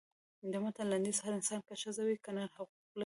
د متن لنډیز هر انسان که ښځه وي که نر حقوق لري.